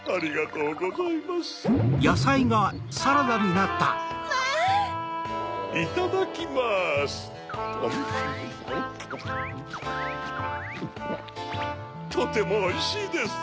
とてもおいしいです！